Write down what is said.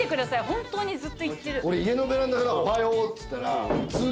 本当にずっと言ってる。